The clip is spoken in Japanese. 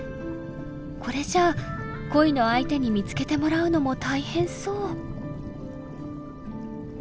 これじゃ恋の相手に見つけてもらうのも大変そう。